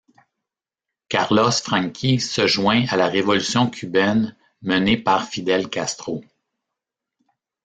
Carlos Franqui se joint à la révolution cubaine menée par Fidel Castro.